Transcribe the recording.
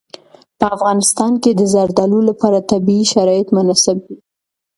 په افغانستان کې د زردالو لپاره طبیعي شرایط مناسب دي.